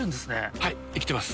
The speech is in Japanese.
はい生きてます。